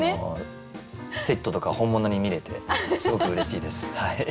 セットとか本物に見れてすごくうれしいです。